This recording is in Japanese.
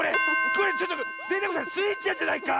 これちょっとデテコさんスイちゃんじゃないか